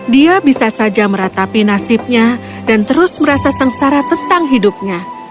dia bisa saja meratapi nasibnya dan terus merasa sengsara tentang hidupnya